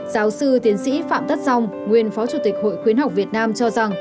giáo sư tiến sĩ phạm tất dòng nguyên phó chủ tịch hội khuyến học việt nam cho rằng